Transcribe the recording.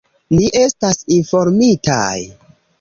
Ni estas informitaj.